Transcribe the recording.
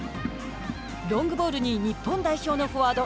ロングボールに日本代表のフォワード